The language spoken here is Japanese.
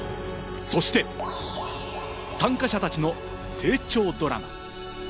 そして、参加者たちの成長ドラマ。